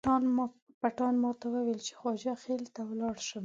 پټان ماته وویل چې خواجه خیل ته ولاړ شم.